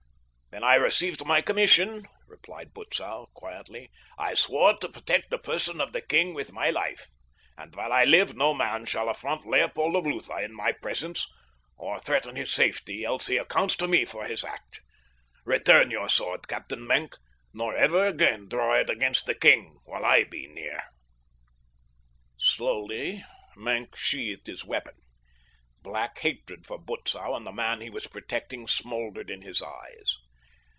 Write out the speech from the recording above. "When I received my commission," replied Butzow, quietly, "I swore to protect the person of the king with my life, and while I live no man shall affront Leopold of Lutha in my presence, or threaten his safety else he accounts to me for his act. Return your sword, Captain Maenck, nor ever again draw it against the king while I be near." Slowly Maenck sheathed his weapon. Black hatred for Butzow and the man he was protecting smoldered in his eyes.